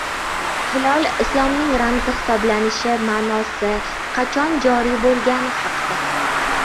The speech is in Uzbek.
Hilol islomning ramzi hisoblanishi, ma’nosi, qachon joriy bo‘lgani haqida